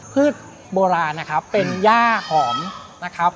พืชโบราณนะครับเป็นย่าหอมนะครับ